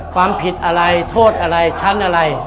ความผิดอะไรโทษอะไรชั้นอะไร